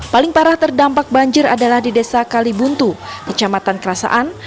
paling parah terdampak banjir adalah di desa kalibuntu kecamatan kerasaan